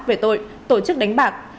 về tội tổ chức đánh bạc